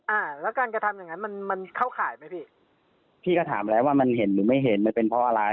อ่าแล้วการกระทำอย่างงั้นมันมันเข้าข่ายไหมพี่พี่ก็ถามแล้วว่ามันเห็นหรือไม่เห็นมันเป็นเพราะอะไร